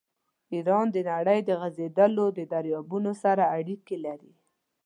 ایران د نړۍ د غځېدلو دریابونو سره اړیکې لري.